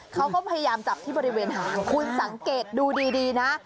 เขาก็พยายามจับที่บริเวณหางคุณสังเกตดูดีนะ